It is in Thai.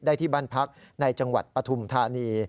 ที่บ้านพักในจังหวัดปฐุมธานี